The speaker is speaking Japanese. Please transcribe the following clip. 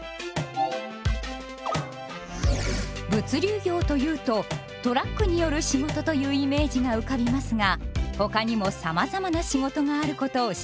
物流業というとトラックによる仕事というイメージが浮かびますがほかにもさまざまな仕事があることを知っていますか？